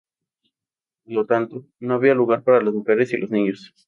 Por lo tanto, no había lugar para las mujeres y los niños.